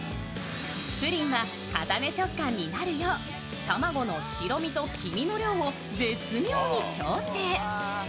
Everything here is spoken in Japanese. プリンはかため食感になるよう卵の白身と黄身の量を絶妙に調整。